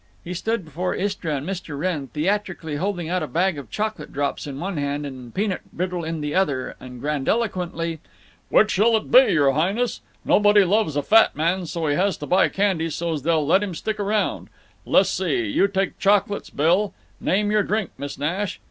He stood before Istra and Mr. Wrenn theatrically holding out a bag of chocolate drops in one hand and peanut brittle in the other; and grandiloquently: "Which shall it be, your Highness? Nobody loves a fat man, so he has to buy candy so's they'll let him stick around. Le's see; you take chocolates, Bill. Name your drink, Miss Nash."